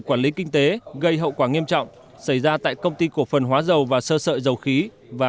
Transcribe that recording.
quản lý kinh tế gây hậu quả nghiêm trọng xảy ra tại công ty cổ phần hóa dầu và sơ sợi dầu khí và